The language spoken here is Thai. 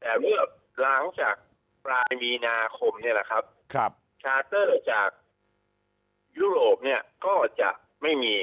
แต่เมื่อหลังจากปลายมีนาคมนี่แหละครับชาเตอร์จากยุโรปเนี่ยก็จะไม่มี